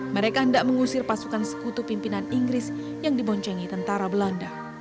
mereka hendak mengusir pasukan sekutu pimpinan inggris yang diboncengi tentara belanda